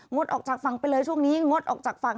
ดออกจากฝั่งไปเลยช่วงนี้งดออกจากฝั่ง